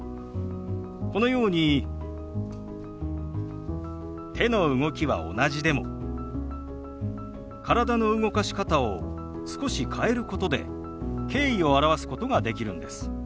このように手の動きは同じでも体の動かし方を少し変えることで敬意を表すことができるんです。